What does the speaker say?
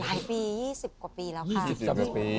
หลายปี๒๐กว่าปีแล้วค่ะ